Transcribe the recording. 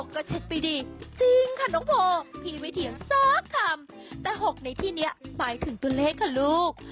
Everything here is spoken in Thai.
ก็เช็คไปดีจริงค่ะน้องโพพี่ไม่เถียงสักคำแต่๖ในที่นี้หมายถึงตัวเลขค่ะลูก